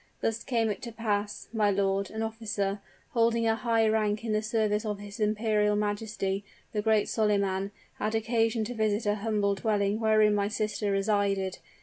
Thus came it to pass, my lord an officer, holding a high rank in the service of his imperial majesty, the great Solyman, had occasion to visit a humble dwelling wherein my sister resided.